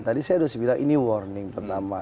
tadi saya sudah bilang ini warning pertama